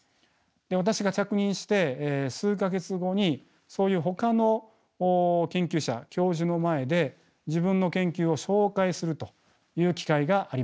私が着任して数か月後にそういうほかの研究者教授の前で自分の研究を紹介するという機会がありました。